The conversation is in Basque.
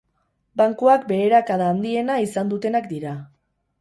Bankuak beherakada handiena izan dutenak dira.